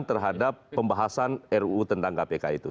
terhadap pembahasan ruu tentang kpk itu